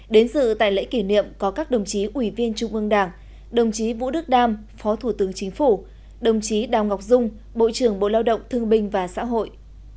đến dự tại lễ kỷ niệm có các đồng chí ủy viên trung ương đảng đồng chí vũ đức đam phó thủ tướng chính phủ đồng chí đào ngọc dung bộ trưởng bộ lao động thương bình và xã hội